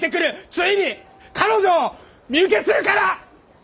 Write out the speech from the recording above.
ついに彼女を身請けするから！